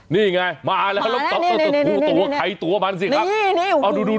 นี่ไงมาแล้วมาแล้วตัวไข่ตัวมันสิครับนี่